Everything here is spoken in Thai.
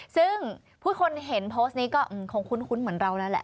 ซึ่งผู้คนเห็นโพสต์นี้ก็คงคุ้นเหมือนเราแล้วแหละ